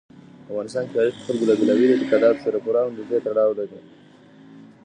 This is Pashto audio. افغانستان کې تاریخ د خلکو له بېلابېلو اعتقاداتو سره پوره او نږدې تړاو لري.